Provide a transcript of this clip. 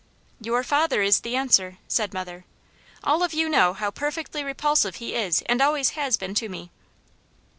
"Your father is the answer," said mother. "All of you know how perfectly repulsive he is and always has been to me."